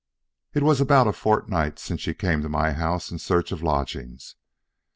It's about a fortnight since she came to my house in search of lodgings.